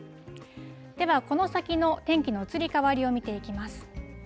では、この先の天気の移り変わりを見ていきます。